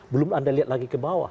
belum anda lihat lagi ke bawah